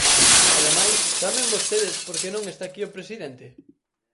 Ademais, ¿saben vostedes por que non está aquí o presidente?